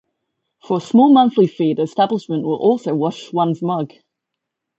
For a small monthly fee the establishment will also wash one's mug.